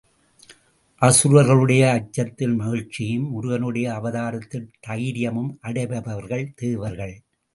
அசுரர்களுடைய அச்சத்தில் மகிழ்ச்சியும் முருகனுடைய அவதாரத்தில் தைரியமும் அடைபவர்கள் தேவர்கள்.